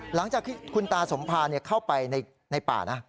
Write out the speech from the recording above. หลังจากที่คุณตาสมภาเข้าไปในป่านะ